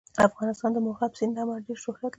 افغانستان د مورغاب سیند له امله ډېر شهرت لري.